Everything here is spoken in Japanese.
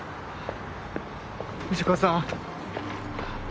藤子さん。